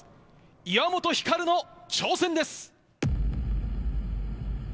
岩本照の挑戦です。